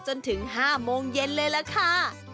จนถึง๕โมงเย็นเลยล่ะค่ะ